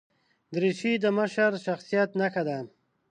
دریشي د مشر شخصیت نښه ده.